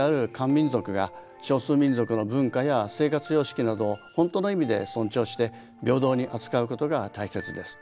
民族が少数民族の文化や生活様式などを本当の意味で尊重して平等に扱うことが大切です。